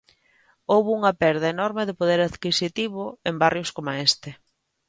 Houbo unha perda enorme de poder adquisitivo en barrios coma este.